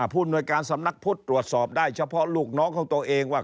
ผู้อำนวยการสำนักพุทธตรวจสอบได้เฉพาะลูกน้องของตัวเองว่า